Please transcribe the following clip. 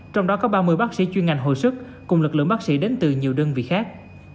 trong đó có ba mươi bác sĩ chuyên ngành hồi sức cùng lực lượng bác sĩ đến từ nhiều đơn vị khác